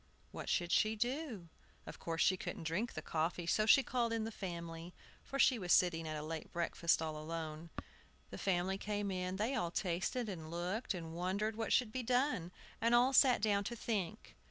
What should she do? Of course she couldn't drink the coffee; so she called in the family, for she was sitting at a late breakfast all alone. The family came in; they all tasted, and looked, and wondered what should be done, and all sat down to think.